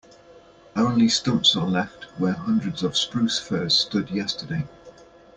Only stumps are left where hundreds of spruce firs stood yesterday.